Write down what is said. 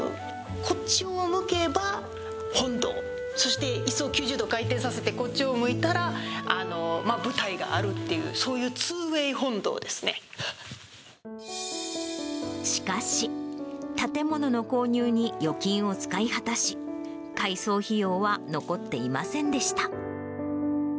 こっちを向けば本堂、そしていすを９０度回転させて、こっちを向いたら舞台があるっていう、しかし、建物の購入に預金を使い果たし、改装費用は残っていませんでした。